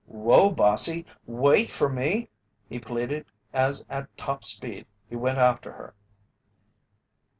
"Whoa! Bossy wait for me!" he pleaded as at top speed he went after her.